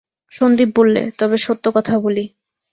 সন্দীপ বললে, তবে সত্য কথা বলি।